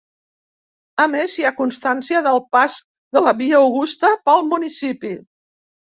A més, hi ha constància del pas de la Via Augusta pel municipi.